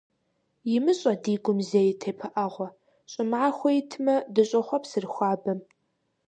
ИмыщӀэ ди гум зэи тепыӀэгъуэ, ЩӀымахуэ итмэ, дыщӀохъуэпсыр хуабэм.